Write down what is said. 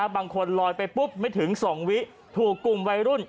บางคนลอยไปปุ๊บไม่ถึง๒วิถูกกลุ่มวัยรุ่น